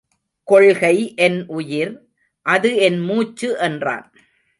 கொள்கை என் உயிர் அது என் மூச்சு என்றான்.